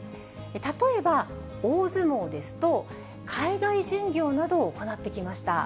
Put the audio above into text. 例えば大相撲ですと、海外巡業などを行ってきました。